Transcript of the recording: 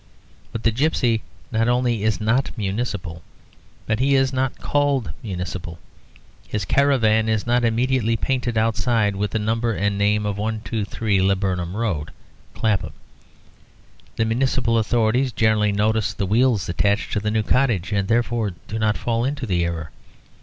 But the gipsy not only is not municipal, but he is not called municipal. His caravan is not immediately painted outside with the number and name of 123 Laburnam Road, Clapham. The municipal authorities generally notice the wheels attached to the new cottage, and therefore do not fall into the error.